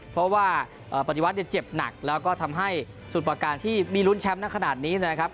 เพราะว่าปฏิวัติเนี่ยเจ็บหนักแล้วก็ทำให้สุดประการที่มีลุ้นแชมป์นักขนาดนี้นะครับ